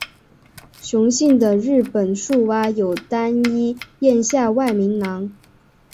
雄性的日本树蛙有单一咽下外鸣囊。